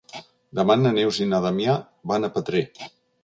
Demà na Neus i na Damià van a Petrer.